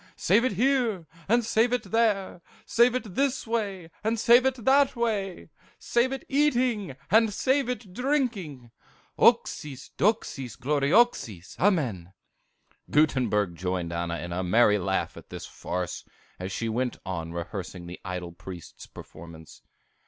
+ Save it here! + and save it there! + Save it this way! + and save it that way! + Save it eating! +++ and save it drinking! ++++++++ Oxis Doxis Glorioxis, Amen.'" Gutenberg joined Anna in a merry laugh at this farce, as she went on rehearsing the idle priest's performance.